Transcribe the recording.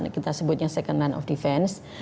kita sebutnya second land of defense